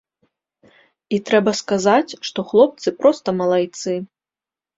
І трэба сказаць, што хлопцы проста малайцы.